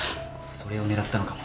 それを狙ったのかも。